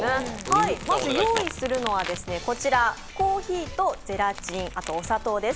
まず用意するのはこちら、コーヒーとゼラチン、あとお砂糖です。